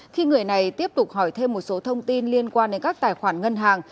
khi người này tiếp tục hỏi thêm một số thông tin liên quan đến các tài khoản ngân hàng